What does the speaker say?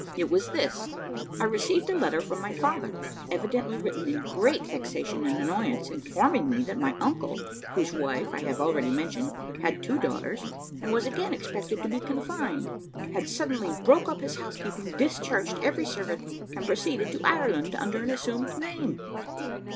It was this I received a letter from my father, evidently written in great vexation and annoyance, informing me that my uncle, whose wife I have already mentioned had two daughters, and was again expected to be confined, had suddenly broke up his housekeeping, discharged every servant, and proceeded to Ireland under an assumed name.